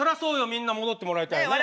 みんな戻ってもらいたいわ。